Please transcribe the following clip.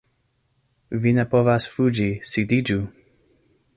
Vi ne povas fuĝi, sidiĝu